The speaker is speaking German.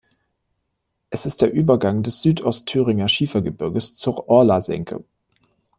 Es ist der Übergang des Südostthüringer Schiefergebirges zur Orlasenke.